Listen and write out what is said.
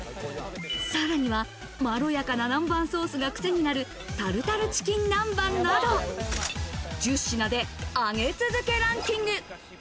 さらには、まろやかな南蛮ソースがクセになるタルタルチキン南蛮など、１０品で上げ続けランキング。